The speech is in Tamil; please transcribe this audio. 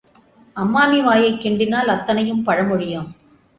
அம்மாமி வாயைக் கிண்டினால் அத்தனையும் பழமொழியாம்.